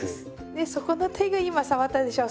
でそこの手が今触ったでしょう。